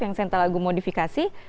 yang send lagu modifikasi